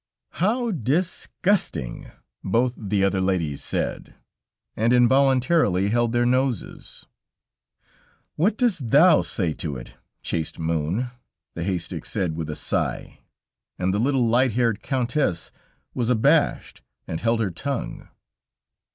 "How disgusting!" both the other ladies said, and involuntarily held their noses. "What dost thou say to it, chaste moon?" the haystack said with a sigh, and the little light haired Countess was abashed and held her tongue.